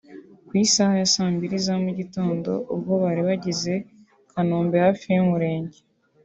Ku isaha ya saa mbiri za mugitondo ubwo bari bageze Kanombe hafi y'umurenge